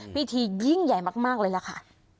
พิธียิ่งใหญ่มากเลยล่ะค่ะ